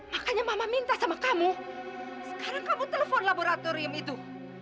makanya mama minta sama kamu sekarang kamu telepon laboratorium itu